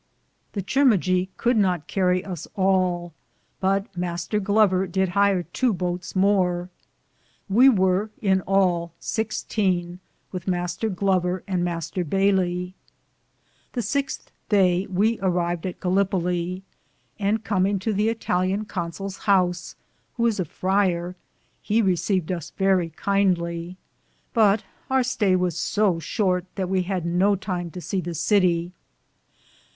The Chirmagee would not carrie us all, but Mr. Glover did hier tow boates more. We weare, in all, i6, with Mr. Glover and Mr. Baylye. The sixte Daye we arived at Gallipilo, and cominge to the Ittallian Consol's house, who is a frier, he recaved us verrie kindly, but our staye was so shorte that we had no time to se the Cittie.